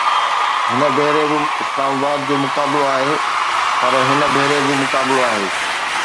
هن ڀيري به اسلام آباد جو مقابلو آهي، پر هن ڀيري به مقابلو آهي